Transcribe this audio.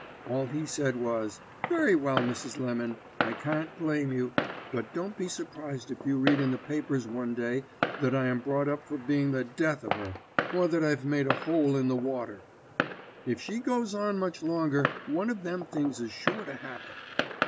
All he said was, 'Very well, Mrs. Lemon, I can't blame you; but don't be surprised if you read in the papers one day that I am brought up for being the death of her, or that I've made a hole in the water. If she goes on much longer, one of them things is sure to happen.'